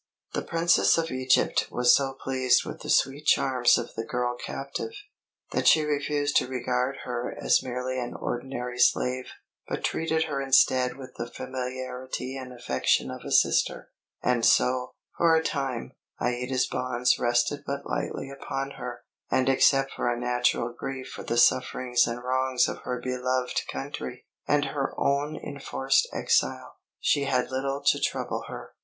The Princess of Egypt was so pleased with the sweet charms of the girl captive, that she refused to regard her as merely an ordinary slave, but treated her instead with the familiarity and affection of a sister; and so, for a time, Aïda's bonds rested but lightly upon her, and except for a natural grief for the sufferings and wrongs of her beloved country, and her own enforced exile, she had little to trouble her.